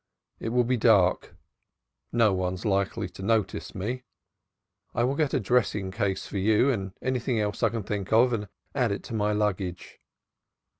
It will be dark; no one is likely to notice me. I will get a dressing case for you and anything else I can think of and add it to my luggage."